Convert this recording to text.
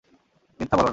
মিথ্যা বলো না।